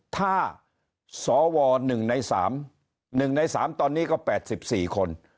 ถ้าสว๑ใน๓๑ใน๓ตอนนี้ก็๘๔คน